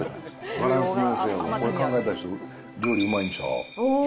これ考えた人、料理うまいんちゃう？